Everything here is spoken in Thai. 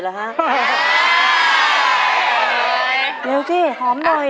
เร็วสิหอมหน่อย